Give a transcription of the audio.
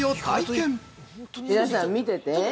◆皆さん、見てて。